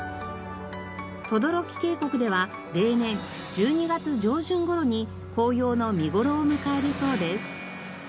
等々力渓谷では例年１２月上旬頃に紅葉の見頃を迎えるそうです。